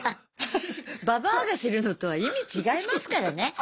ババアがするのとは意味違いますからね。